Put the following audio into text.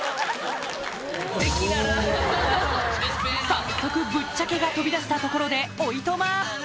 早速ぶっちゃけが飛び出したところでおいとま